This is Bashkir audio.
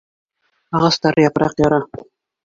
Ағастар япраҡ яра.